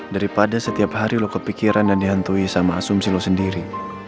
daripada setiap hari lo kepikiran dan dihantui sama asumsi lo sendiri